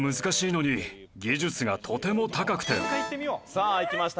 さあいきました。